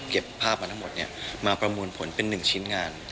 เก็บภาพมาทั้งหมดมาประมวลผลเป็น๑ชิ้นงาน